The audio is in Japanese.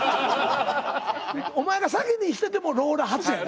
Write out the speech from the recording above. お前が先にしててもローラ発や。